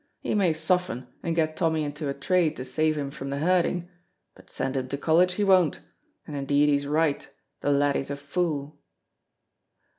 He may soften, and get Tommy into a trade to save him from the herding, but send him to college he won't, and indeed he's right, the laddie's a fool."